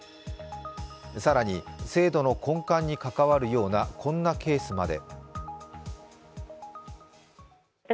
更に制度の根幹に関わるようなこんなケースまで。